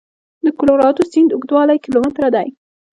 د کلورادو سیند اوږدوالی کیلومتره دی.